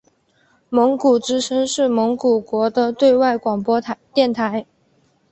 蒙古之声是蒙古国的对外广播电台。